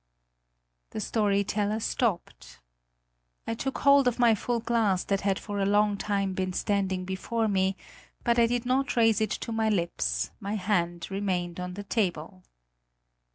The story teller stopped. I took hold of my full glass that had for a long time been standing before me, but I did not raise it to my lips; my hand remained on the table.